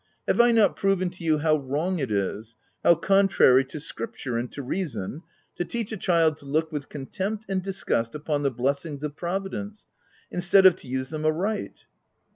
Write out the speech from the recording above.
Have I not proven to you how wrong it is — how contrary to Scrip ture and to reason to teach a child to look with contempt and disgust upon the blessings of Providence, instead of to use them aright?"